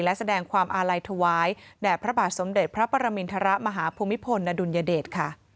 และแสดงความอาลัยถวายแด่พระบาทสมเด็จพระปรมินทรมาฮภูมิพลอดุลยเดชค่ะ